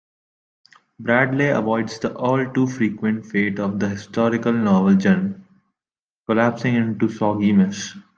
Bradley avoids the all-too-frequent fate of the historical-novel genre: collapsing into a soggy mess.